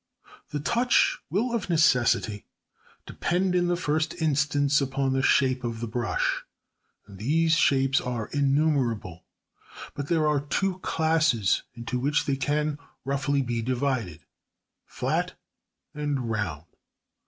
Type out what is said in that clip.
The touch will of necessity depend in the first instance upon the shape of the brush, and these shapes are innumerable. But there are two classes into which they can roughly be divided, flat and round.